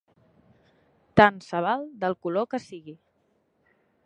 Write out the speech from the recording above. Tant se val del color que sigui.